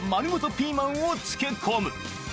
ピーマンを漬け込む。